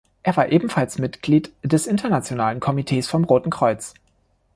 Er war ebenfalls Mitglied des Internationalen Komitees vom Roten Kreuz.